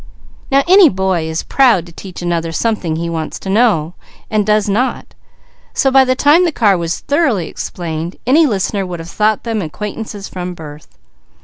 Now any boy is proud to teach another something he wants to know and does not, so by the time the car was thoroughly explained any listener would have thought them acquaintances from birth.